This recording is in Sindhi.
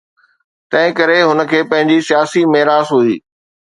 تنهنڪري هن کي پنهنجي سياسي ميراث هئي.